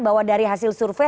bahwa dari hasil survei